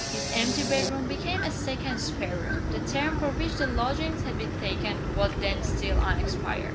His empty bedroom became a second spare room. The term for which the lodgings had been taken was then still unexpired.